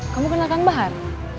kamu kenal kang bahar